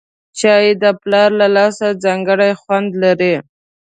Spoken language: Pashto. چای د پلار له لاسه ځانګړی خوند لري